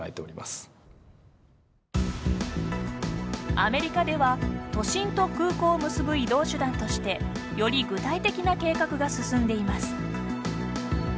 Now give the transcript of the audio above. アメリカでは都心と空港を結ぶ移動手段としてより具体的な計画が進んでいます。